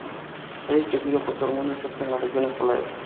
Está distribuido por todo el mundo, excepto en las regiones polares.